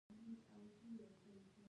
کاناډا د اوبو له پلوه بډایه ده.